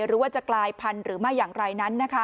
หรือว่าจะกลายพันธุ์หรือไม่อย่างไรนั้น